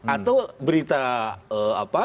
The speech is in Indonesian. atau berita apa